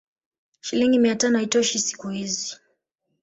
Shilingi mia tano haitoshi siku hizi